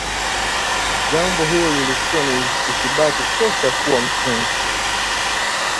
jambo hilo lilikuwa ni ithibati tosha kuwa mtunzi